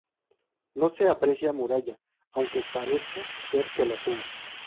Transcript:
No se aprecia muralla, aunque parece ser que la tuvo.